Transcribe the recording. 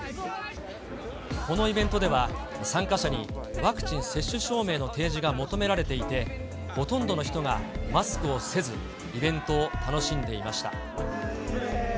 このイベントでは、参加者にワクチン接種証明の提示が求められていて、ほとんどの人がマスクをせず、イベントを楽しんでいました。